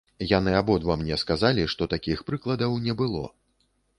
Яны абодва мне сказалі, што такіх прыкладаў не было.